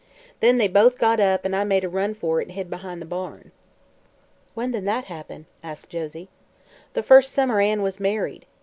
Then they both got up an' I made a run fer it an' hid behind the barn." "When did that happen?" asked Josie. "The first summer Ann was married.